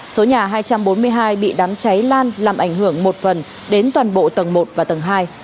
số nhà hai trăm bốn mươi hai bị đám cháy lan làm ảnh hưởng một phần đến toàn bộ tầng một và tầng hai